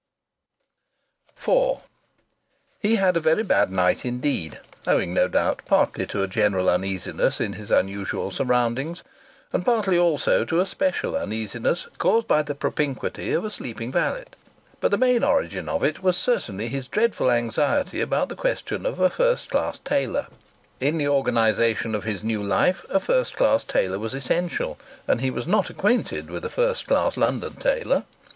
IV He had a very bad night indeed owing, no doubt, partly to a general uneasiness in his unusual surroundings, and partly also to a special uneasiness caused by the propinquity of a sleeping valet; but the main origin of it was certainly his dreadful anxiety about the question of a first class tailor. In the organization of his new life a first class tailor was essential, and he was not acquainted with a first class London tailor.